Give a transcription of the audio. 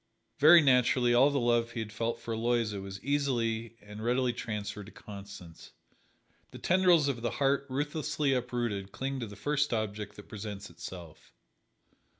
Very naturally, all the love he had felt for Aloysia was easily and readily transferred to Constance. The tendrils of the heart ruthlessly uprooted cling to the first object that presents itself.